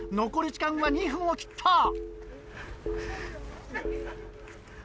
残り時間は２分を切った。